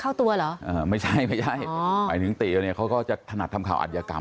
เข้าตัวเหรอไม่ใช่ใหญีติเขาก็จะถนัดทำข่าวอาจยากรรม